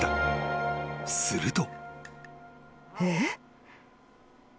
［すると］